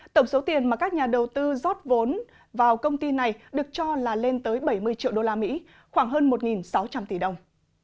tổng số tiền mà các nhà đầu tư rót vốn vào công ty này được cho là lên tới bảy mươi triệu đô la mỹ khoảng hơn một sáu trăm linh tỷ đồng